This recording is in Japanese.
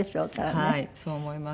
はいそう思います。